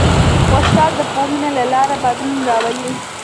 استاد د پوهنې له لارې بدلون راولي.